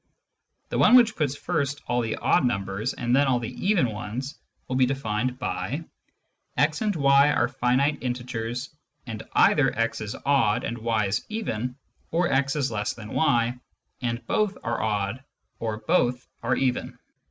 The one which puts first all the odd numbers and then all the even ones will be defined by :" x and y are finite integers, and either x is odd and y is even or x is less than y and both are odd or both are even."